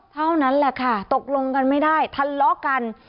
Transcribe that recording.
เท่านั้นแหละค่ะตกลงกันไม่ได้ทะเลาะกัน